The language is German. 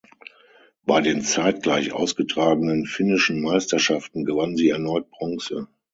Bei den zeitgleich ausgetragenen Finnischen Meisterschaften gewann sie erneut Bronze.